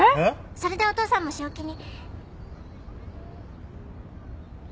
それでお父さんも正気に。